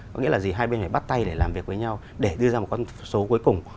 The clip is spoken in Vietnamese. có nghĩa là gì hai bên phải bắt tay để làm việc với nhau để đưa ra một con số cuối cùng